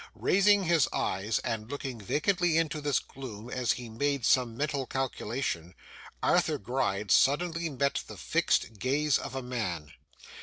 Raising his eyes, and looking vacantly into this gloom as he made some mental calculation, Arthur Gride suddenly met the fixed gaze of a man.